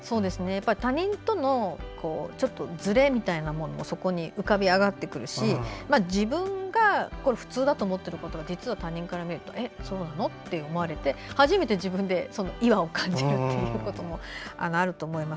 他人とのずれみたいなものもそこに浮かび上がってくるし自分が普通だと思っていることが実は他人から見るとえ、そうなの？って初めて自分で違和を感じることがあると思うんです。